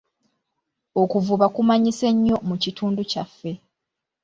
Okuvuba kumanyise nnyo mu kitundu kyaffe.